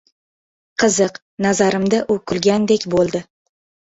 Qiziq, nazarimda u kulgandek bo‘ldi.